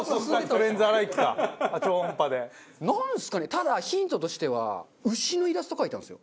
ただヒントとしては牛のイラスト描いてあるんですよ。